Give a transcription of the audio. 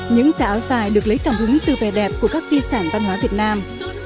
những tà áo dài được lấy cảm hứng từ vẻ đẹp của các di sản văn hóa việt nam